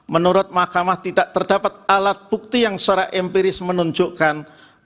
menurut mahkamah tidak terdapat alat bukti yang secara empiris menunjukkan